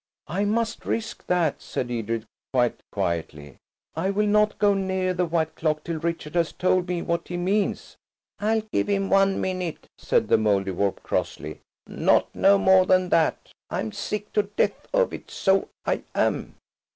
"I must risk that," said Edred quite quietly. "I will not go near the white clock till Richard has told me what he means." "I'll give him one minute," said the Mouldiwarp crossly, "not no more than that. I'm sick to death of it, so I am."